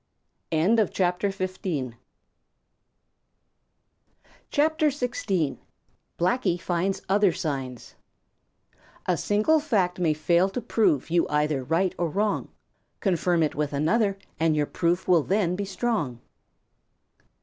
CHAPTER XVI: Blacky Finds Other Signs A single fact may fail to prove you either right or wrong; Confirm it with another and your proof will then be strong.